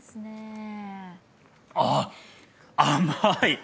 あっ、甘い。